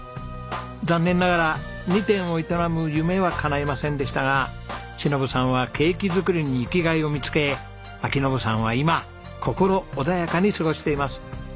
残念ながら２店を営む夢は叶いませんでしたが忍さんはケーキ作りに生きがいを見つけ章伸さんは今心穏やかに過ごしています。